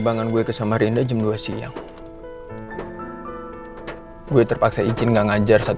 naik pesawat negara